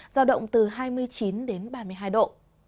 giao động từ hai mươi chín đến ba mươi hai độ